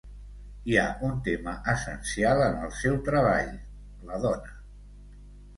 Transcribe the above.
Hi ha un tema essencial en el seu treball: la dona.